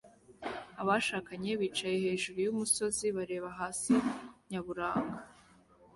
Abashakanye bicaye hejuru yumusozi bareba hasi nyaburanga